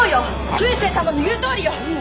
空誓様の言うとおりよ！